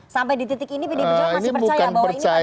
sampai di titik ini pdi perjuangan masih percaya